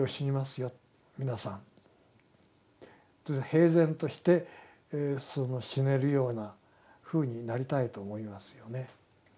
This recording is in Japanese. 平然として死ねるようなふうになりたいと思いますよね。